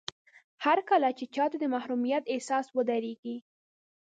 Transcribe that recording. هرکله چې چاته د محروميت احساس ودرېږي.